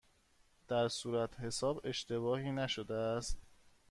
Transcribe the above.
در صورتحساب اشتباهی نشده است؟